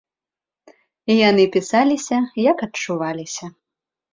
Яны пісаліся, як адчуваліся.